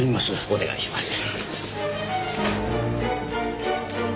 お願いします。